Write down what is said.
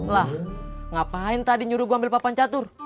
lah ngapain tadi nyuruh gue ambil papan catur